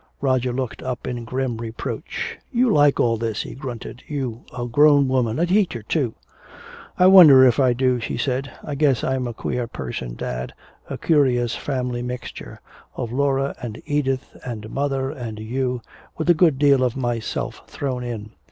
Roger looked up in grim reproach. "You like all this," he grunted. "You, a grown woman, a teacher too." "I wonder if I do," she said. "I guess I'm a queer person, dad, a curious family mixture of Laura and Edith and mother and you, with a good deal of myself thrown in.